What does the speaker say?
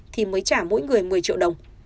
thì mới trả mỗi người một mươi triệu đồng